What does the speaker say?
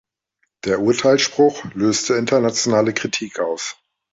Der Urteilsspruch löste internationale Kritik aus.